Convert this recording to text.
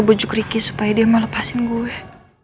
tidak hanya memang benar